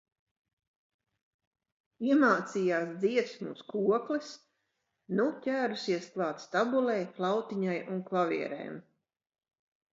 Iemācījās dziesmu uz kokles, nu ķērusies klāt stabulei, flautiņai un klavierēm.